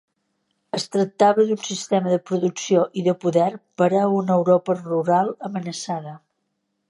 Es tractava d'un sistema de producció i de poder per a una Europa rural amenaçada.